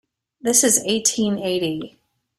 This is eighteen eighty.